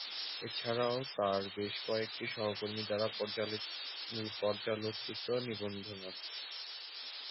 এছাড়াও তাঁর বেশ কয়েকটি সহকর্মী দ্বারা পর্যালোচিত নিবন্ধ আছে।